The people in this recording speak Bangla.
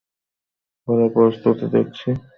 ভালোই প্রস্তুতি দেখছি?